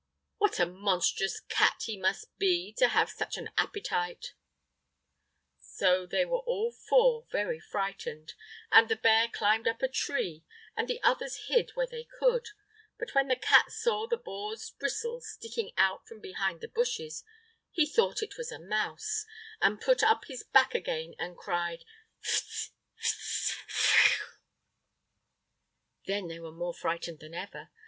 What a monstrous cat he must be to have such an appetite!" So they were all four very frightened, and the bear climbed up a tree, and the others hid where they could. But when the cat saw the boar's bristles sticking out from behind the bushes he thought it was a mouse, and put up his back again and cried: "Ft! ft! ft! Frrrrrrr!" Then they were more frightened than ever.